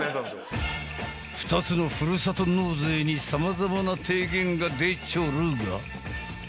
２つのふるさと納税に様々な提言が出ちょるが。